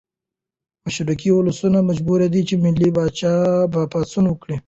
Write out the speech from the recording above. مشرقي ولسونه مجبوري دي چې ملي پاڅون وکړي.